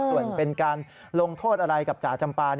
ส่วนเป็นการลงโทษอะไรกับจ๋าจำปา